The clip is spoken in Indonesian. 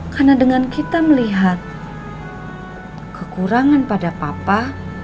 karena dengan kita melihat kekurangan pada papa